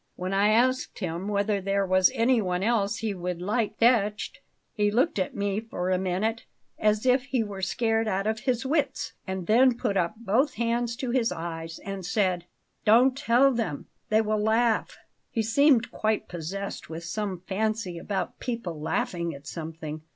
When I asked him whether there was anyone else he would like fetched, he looked at me for a minute, as if he were scared out of his wits, and then put up both hands to his eyes and said: 'Don't tell them; they will laugh!' He seemed quite possessed with some fancy about people laughing at something.